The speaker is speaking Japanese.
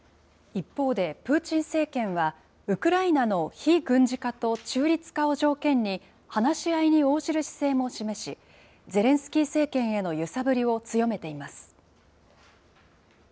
一方でプーチン政権は、ウクライナの非軍事化と中立化を条件に、話し合いに応じる姿勢を示し、ゼレンスキー政権への揺さぶりを強めています。